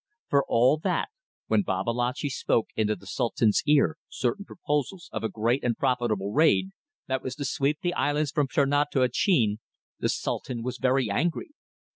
For all that, when Babalatchi spoke into the Sultan's ear certain proposals of a great and profitable raid, that was to sweep the islands from Ternate to Acheen, the Sultan was very angry.